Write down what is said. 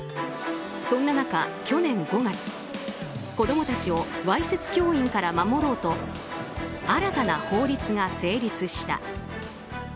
そんな中、去年５月子供たちをわいせつ教員から守ろうと新たな法律が成立した。